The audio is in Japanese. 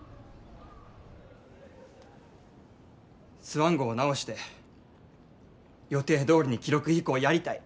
スワン号を直して予定どおりに記録飛行やりたい。